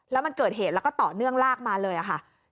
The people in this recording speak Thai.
แล้วมันเกิดเหตุแล้วก็ต่อเนื่องลากมาเลยค่ะ